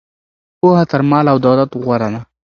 پوهه تر مال او دولت غوره ده.